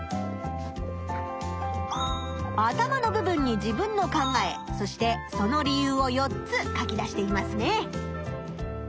頭の部分に自分の考えそしてその理由を４つ書き出していますね。